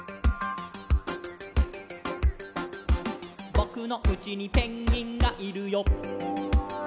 「ぼくのうちにペンギンがいるよ」